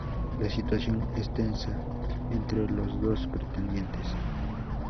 La situación es tensa entre los dos pretendientes.